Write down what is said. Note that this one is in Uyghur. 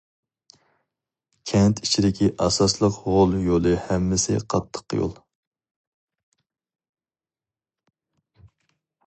كەنت ئىچىدىكى ئاساسلىق غول يولى ھەممىسى قاتتىق يول.